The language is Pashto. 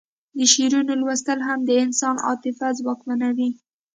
د شعرونو لوستل هم د انسان عاطفه ځواکمنوي